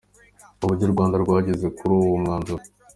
Uburyo u Rwanda rwageze kuri uwo mwanzuro.